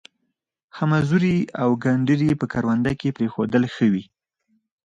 خمزوري او گنډري په کرونده کې پرېښودل ښه وي.